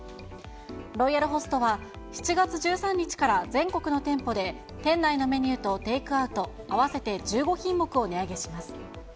ロイヤルホストは、７月１３日から全国の店舗で店内のメニューとテイクアウト、合わせて１５品目を値上げします。